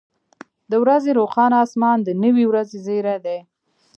• د ورځې روښانه اسمان د نوې ورځې زیری دی.